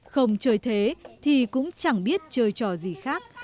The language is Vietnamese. không chơi thế thì cũng chẳng biết chơi trò gì khác